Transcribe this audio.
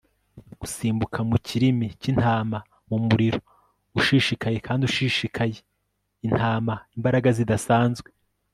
Gusimbuka mu kirimi cyintama mu muriro ushishikaye kandi ushishikaye intama imbaraga zidasanzwe